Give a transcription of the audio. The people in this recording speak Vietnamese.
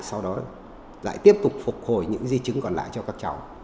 sau đó lại tiếp tục phục hồi những di chứng còn lại cho các cháu